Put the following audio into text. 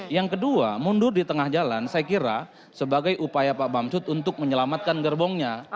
yang kedua mundur di tengah jalan saya kira sebagai upaya pak bamsud untuk menyelamatkan gerbongnya